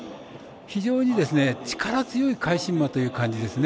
非常に力強い返し馬という感じですね。